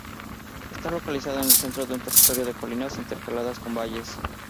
Esta localizado en el centro de un territorio de colinas, intercaladas con valles.